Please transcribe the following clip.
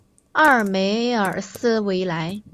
奥尔梅尔斯维莱。